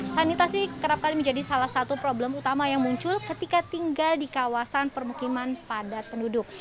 sanitasi kerap kali menjadi salah satu problem utama yang muncul ketika tinggal di kawasan permukiman padat penduduk